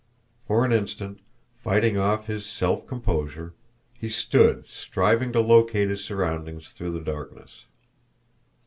For an instant, fighting for his self composure, he stood striving to locate his surroundings through the darkness.